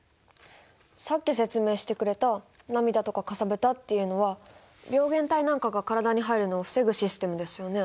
さっき説明してくれた涙とかかさぶたっていうのは病原体なんかが体に入るのを防ぐシステムですよね？